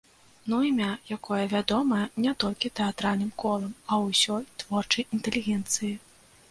Ну імя, якое вядомае не толькі тэатральным колам, а ўсёй творчай інтэлігенцыі!